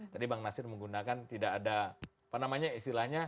tadi bang nasir menggunakan tidak ada apa namanya istilahnya